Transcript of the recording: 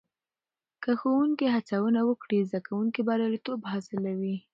که ښوونکې هڅونه وکړي، زده کوونکي برياليتوب حاصلوي.